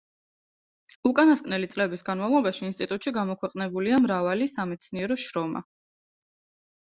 უკანასკნელი წლების განმავლობაში ინსტიტუტში გამოქვეყნებულია მრავალი სამეცნიერო შრომა.